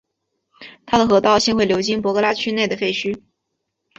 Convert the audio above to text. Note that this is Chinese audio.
它的河道现会流经博格拉区内的废墟。